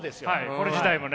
これ自体もね。